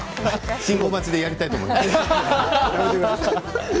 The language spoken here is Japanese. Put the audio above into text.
信号待ちでやりたいと思います。